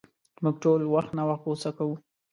مونږ ټول وخت ناوخته غصه کوو.